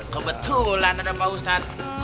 kebetulan ada pak ustadz